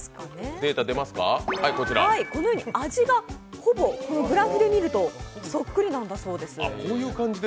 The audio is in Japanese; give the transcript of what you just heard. このように味がほぼ、グラフで見るとそっくりなんだそうです。